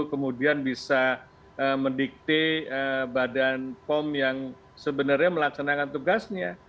kemudian bisa mendikte badan pom yang sebenarnya melaksanakan tugasnya